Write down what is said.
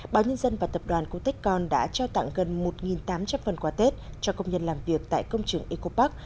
báo nhân dân và tập đoàn cotecon đã trao tặng gần một tám trăm linh phần quà tết cho công nhân làm việc tại công trường eco park